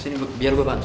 sini biar gue bantu